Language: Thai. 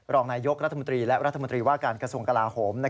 รองนายยกรัฐมนตรีและรัฐมนตรีว่าการกระทรวงกลาโหม